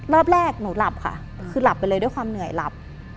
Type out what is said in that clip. รอบแรกหนูหลับค่ะคือหลับไปเลยด้วยความเหนื่อยหลับ